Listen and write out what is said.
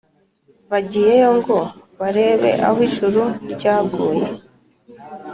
bagiyeyo ngo barebe aho ijuru ryaguye